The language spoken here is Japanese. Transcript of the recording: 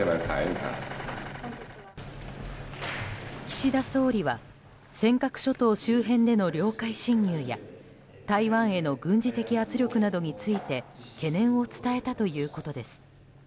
岸田総理は尖閣諸島周辺での領海侵入や台湾への軍事的圧力などについて懸念を伝えたということです。